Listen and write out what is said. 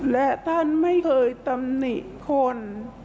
และท่านไม่เคยตำหนิคน